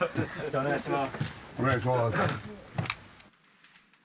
お願いします。